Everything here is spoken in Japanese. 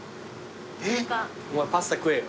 えっ。お前パスタ食えよ。